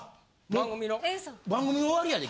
番組の終わりやで。